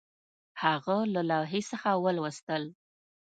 هغه له لوحې څخه ولوستل